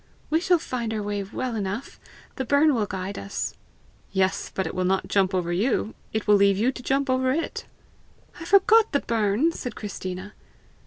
"We shall find our way well enough. The burn will guide us." "Yes; but it will not jump over you; it will leave you to jump over it!" "I forgot the burn!" said Christina.